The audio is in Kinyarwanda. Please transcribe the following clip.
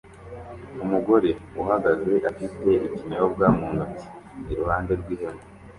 Umugore uhagaze afite ikinyobwa mu ntoki iruhande rw'ihema